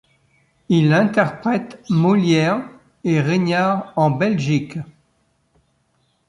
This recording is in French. Il interprète Molière et Regnard en Belgique.